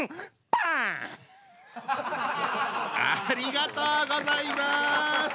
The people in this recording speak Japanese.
ありがとうございます。